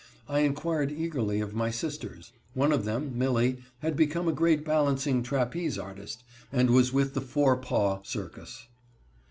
I inquired eagerly of my sisters. One of them, Millie, had become a great balancing trapeze artist, and was with the Forepaugh circus.